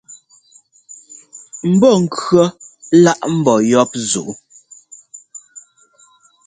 Mbɔ́kʉ̈ laʼ mbɔ́ yɔ́p zuʼú.